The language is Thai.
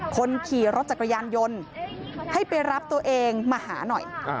คนขี่รถจักรยานยนต์ให้ไปรับตัวเองมาหาหน่อย